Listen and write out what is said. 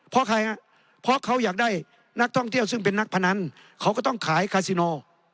เพราะใครฮะเพราะเขาอยากได้นักท่องเที่ยวซึ่งเป็นนักพนันเขาก็ต้องขายคาซิโน